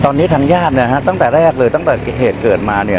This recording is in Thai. ตอนนี้ทางญาติเนี่ยฮะตั้งแต่แรกเลยตั้งแต่เหตุเกิดมาเนี่ย